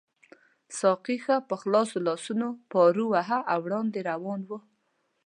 ساقي ښه په خلاصو لاسونو پارو واهه او وړاندې روان وو.